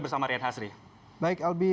bersama rian hasri baik albi